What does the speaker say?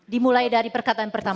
dimulai dari perkataan pertama